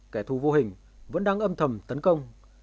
kẻ thù vô hình vẫn đang âm thầm tấn công